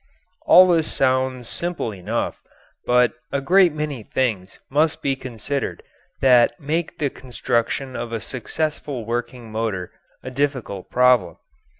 All this sounds simple enough, but a great many things must be considered that make the construction of a successful working motor a difficult problem.